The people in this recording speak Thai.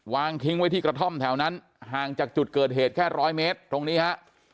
วางทิ้งไว้ที่กระท่อมแถวนั้นห่างจากจุดเกิดเหตุแค่ร้อยเมตรตรงนี้ฮะ